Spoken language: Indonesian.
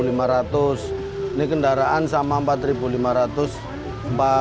ini kendaraan sama rp empat lima ratus